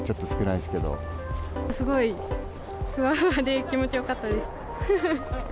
すごいふわふわで気持ちよかったです。